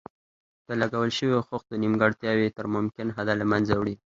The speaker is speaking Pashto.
د لګول شویو خښتو نیمګړتیاوې تر ممکن حده له منځه وړي.